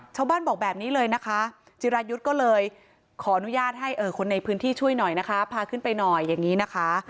ชาวบ้านบอกแบบนี้เลยนะคะจิรายุทธ์ก็เลยขออนุญาตให้คนในพื้นที่ช่วยหน่อยนะคะพาขึ้นไปหน่อยอย่างนี้นะคะ